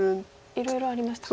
いろいろありましたか。